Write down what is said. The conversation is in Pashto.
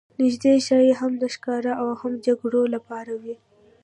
نیزې ښايي هم د ښکار او هم د جګړو لپاره وې.